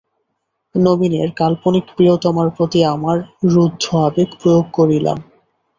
নবীনের কাল্পনিক প্রিয়তমার প্রতি আমার রুদ্ধ আবেগ প্রয়োগ করিলাম।